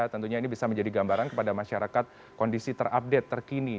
tentunya ini bisa menjadi gambaran kepada masyarakat kondisi terupdate terkini